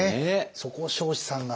そこを彰子さんが。